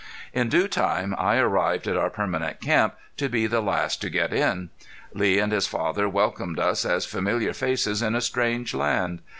In due time I arrived at our permanent camp, to be the last to get in. Lee and his father welcomed us as familiar faces in a strange land.